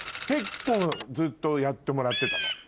結構ずっとやってもらってたの。